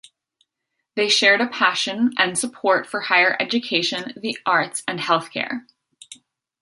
They shared a passion and support for higher education, the arts and healthcare.